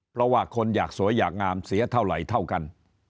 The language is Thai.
เพราะว่าคนอยากสวยอยากงามเสียเท่าไหร่เท่ากัน